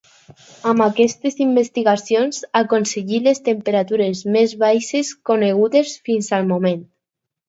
Amb aquestes investigacions aconseguí les temperatures més baixes conegudes fins al moment.